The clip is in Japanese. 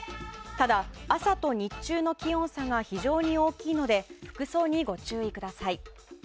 ただ、朝と日中の気温差が非常に大きいので服装にご注意ください。